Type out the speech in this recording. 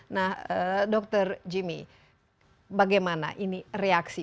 nah dr jimmy bagaimana ini reaksi